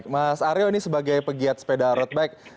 mas aryo ini sebagai pegiat sepeda road bike